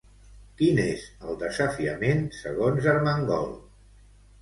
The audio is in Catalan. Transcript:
Quin és el desafiament segons Armengol?